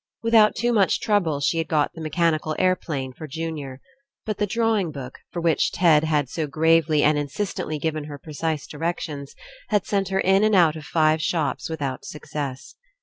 Without too much trouble she had got the mechanical aeroplane for Junior. But the drawing book, for which Ted had so gravely and insistently given her precise directions, had sent her in and out of five shops without suc cess.